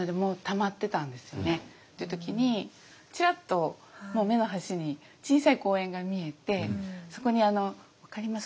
いう時にチラッと目の端に小さい公園が見えてそこにあの分かります？